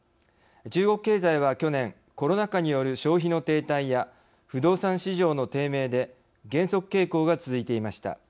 中国経済は去年コロナ禍による消費の停滞や不動産市場の低迷で減速傾向が続いていました。